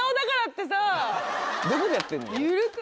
どこでやってんの？